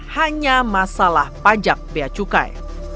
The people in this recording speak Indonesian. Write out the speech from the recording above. hanya masalah pajak beacukai